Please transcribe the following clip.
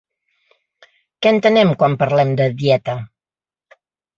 Què entenem quan parlem de «dieta»?